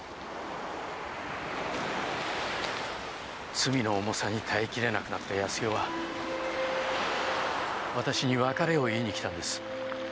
罪の重さに耐え切れなくなった康代は私に別れを言いに来たんです。